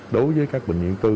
đối với các bệnh viện tư